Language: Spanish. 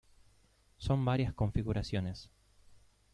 Son varias configuraciones.